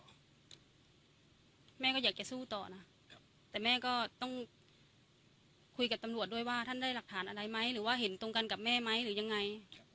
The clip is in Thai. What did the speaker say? กับแม่ไหมหรือยังไงค่ะในความคิดก็ถือวันนี้ก็ยังเหมือนเดิม